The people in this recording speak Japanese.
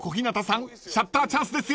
シャッターチャンスですよ］